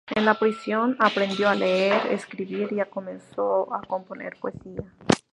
En la prisión aprendió a leer y escribir y comenzó a componer poesía.